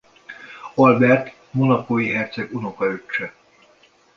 Albert monacói herceg unokaöccse.